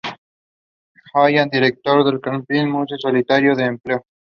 Holland, Director del Carnegie Museum, solicitando empleo.